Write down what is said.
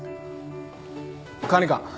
管理官。